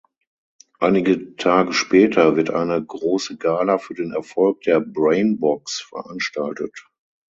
Einige Tage später wird eine große Gala für den Erfolg der Brain Box veranstaltet.